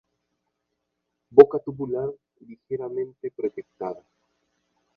Boca tubular ligeramente proyectada.